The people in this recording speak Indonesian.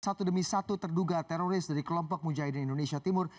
satu demi satu terduga teroris dari kelompok mujahidin indonesia timur